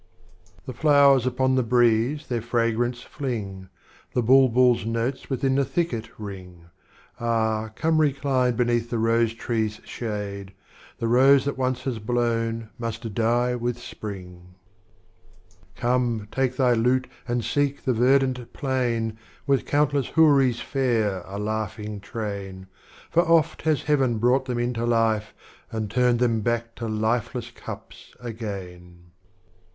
m. The Flowers upon the breeze their fragrance fling, The Bulbul's notes within the thicket ring, Ah come recline beneath the Rose tree's shade, — The Rose that once has blown must die with Spring. Strophes of Omar Kliayyam. Come take thy Lute and seek the Verdant Plain, With Countless Houris fair a Laughiuj;^ Train, For oft has Heaven brought them into Life, And turned them back to Lifeless Cups again.